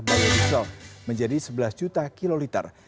badan usaha bbm menjadi sebelas juta kiloliter